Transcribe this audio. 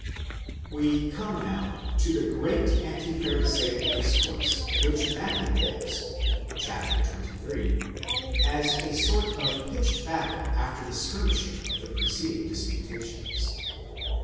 % We come now to the great anti pharisaic discourse, which Matthew gives {xxiil.) as a sort of pitched battle after the skirmishing of the preceding dis putations.